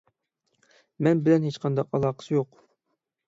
مەن بىلەن ھېچقانداق ئالاقىسى يوق.